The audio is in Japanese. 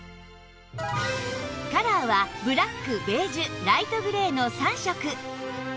カラーはブラックベージュライトグレーの３色